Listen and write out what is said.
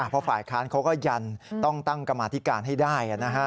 เพราะฝ่ายค้านเขาก็ยันต้องตั้งกรรมาธิการให้ได้